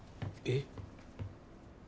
えっ？